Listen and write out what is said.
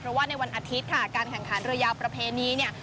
เพราะว่าในวันอาทิตย์ค่ะการแข่งขันเรือยาวประเพณีเนี่ย